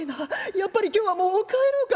やっぱり今日はもう帰ろうか」。